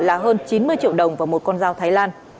là hơn chín mươi triệu đồng và một con dao thái lan